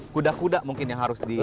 kuda kuda mungkin yang harus di